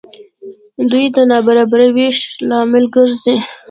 دوی د نابرابره وېش لامل ګرځي.